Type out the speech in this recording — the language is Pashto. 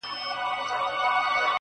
o زما خبرو ته لا نوري چیغي وکړه.